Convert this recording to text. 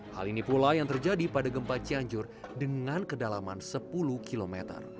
hal ini pula yang terjadi pada gempa cianjur dengan kedalaman sepuluh km